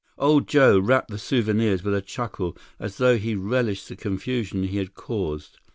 Old Joe wrapped the souvenirs with a chuckle, as though he relished the confusion he had caused.